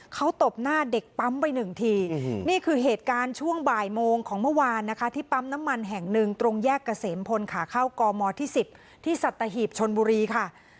เขาตบหน้าเด็กปั๊มไปหนึ่งทีนี่คือเหตุการณ์ช่วงบ่ายโมงของเมื่อวานนะคะที่ปั๊มน้ำมันแห่งหนึ่งตรงแยกเกษมพลขาเข้ากมที่๑๐ที่สัตหีบชนบุรีค่ะ